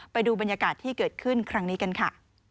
ไปดูบรรยากาศที่เกิดขึ้นครั้งนี้กันค่ะ